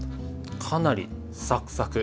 かなりサクサク。